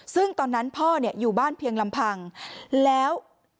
ซึ่งตอนนั้นพ่อเนี่ยอยู่บ้านเพียงลำพังแล้ว